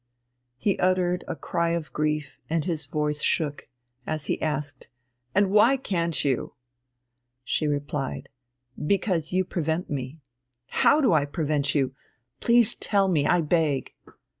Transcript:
He uttered a cry of grief, and his voice shook, as he asked: "And why can't you?" She replied: "Because you prevent me." "How do I prevent you? Please tell me, I beg."